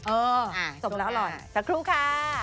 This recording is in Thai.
เออสมแล้วอร่อยสักครู่ค่ะ